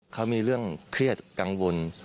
เขามีเรื่องเครียดกังวล